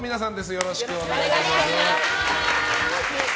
よろしくお願いします。